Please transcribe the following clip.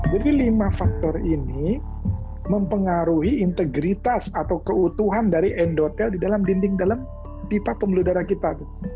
lima faktor ini mempengaruhi integritas atau keutuhan dari endotel di dalam dinding dalam pipa pembuluh darah kita